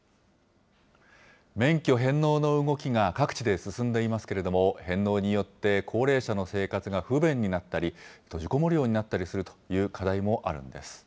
免許返納の動きが各地で進んでいますけれども、返納によって高齢者の生活が不便になったり、閉じこもるようになったりするといった課題もあるんです。